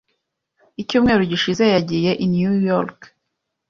Icyumweru gishize yagiye i New York .